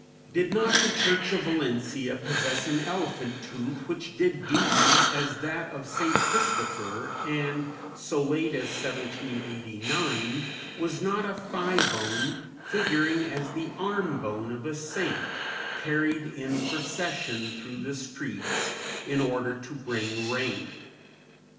Did not the church of Valencia possess an elephant tooth which did duty as that of St. Christopher, and, so late as 1789, was not a thigh bone, figuring as the arm bone of a saint, carried in procession through the streets in order to bring rain?